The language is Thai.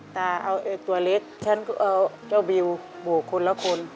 ตาเอาตัวเล็กฉันก็เอาเจ้าบิวโบกคนละคน